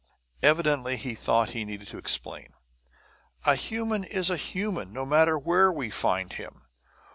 Evidently he thought he needed to explain. "A human is a human, no matter where we find him!